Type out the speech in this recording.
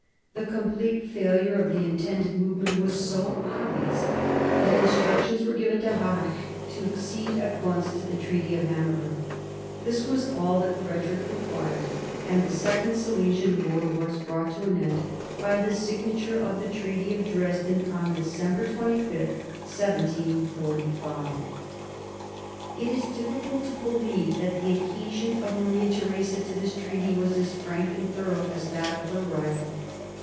The complete failure of the intended movement was so obvious that instructions were given to Harrach to accede at once to the Treaty of Hanover. This was all that Frederick required, and the second Silesian war was brought to an end by the signature of the Tr eaty of Dresden on December 25, 1745. It is difficult to believe that the adhesion of Maria Theresa to this treaty was as frank and thorough as that of her rival.